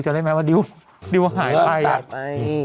จะได้มั้ยว่าดิวหายไป